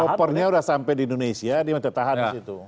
opernya sudah sampai di indonesia dia mencetak di situ